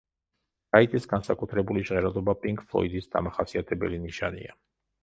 რაიტის განსაკუთრებული ჟღერადობა პინკ ფლოიდის დამახასიათებელი ნიშანია.